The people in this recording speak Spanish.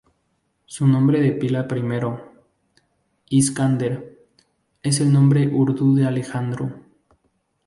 Su nombre de pila primero, "Iskander", es el nombre urdu de Alejandro.